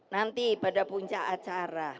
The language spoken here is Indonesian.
nanti pada puncak acara